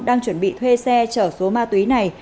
đang chuẩn bị thuê xe chở số ma túy này